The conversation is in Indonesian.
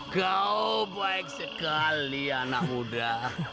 kau baik sekali anak muda